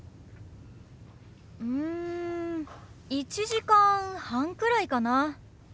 うん１時間半くらいかな。